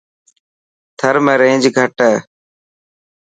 ٿر ۾ رينج گھٽ هي.